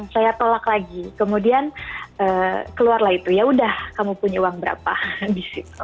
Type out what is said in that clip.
saya tolak lagi kemudian keluarlah itu ya udah kamu punya uang berapa disitu